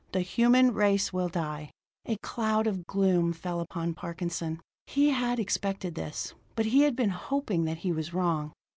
The human race will die!" A cloud of gloom fell upon Parkinson. He had expected this; but he had been hoping that he was wrong.